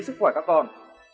sức khỏe các con